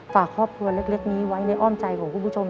ฝากครอบครัวเล็กนี้ไว้ในอ้อมใจของคุณผู้ชม